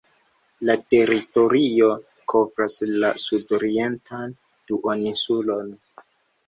La teritorio kovras la sudorientan duoninsulon.